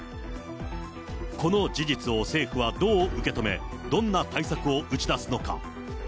この事実を政府はどう受け止め、どんな対策を打ち出すのか。